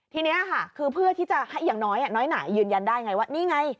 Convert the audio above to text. ทีนี้ค่ะคือเพื่อที่จะให้อย่างน้อยน้อยไหนยืนยันได้ไงว่านี่ไง